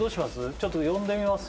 ちょっと呼んでみます？